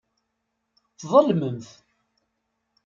Tḍelmemt.